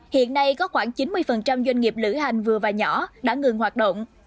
hiện nay có khoảng chín mươi doanh nghiệp lữ hành vừa và nhỏ đã ngừng hoạt động